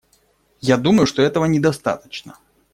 Я думаю, что этого недостаточно.